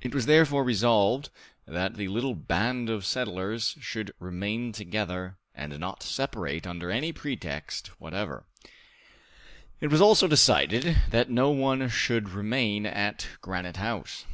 It was therefore resolved that the little band of settlers should remain together and not separate under any pretext whatever. It was also decided that no one should remain at Granite House.